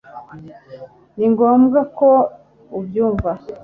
Ni ngombwa ko ubyumva